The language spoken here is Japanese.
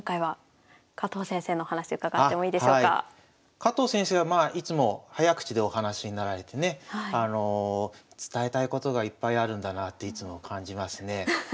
加藤先生はまあいつも早口でお話しになられてね伝えたいことがいっぱいあるんだなっていつも感じますね。